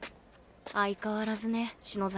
相変わらずね篠崎